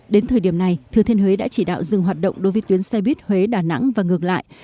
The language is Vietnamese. đến thời điểm này thừa thiên huế đã chỉ đạo dừng hoạt động đối với tuyến xe buýt huế đà nẵng và ngược lại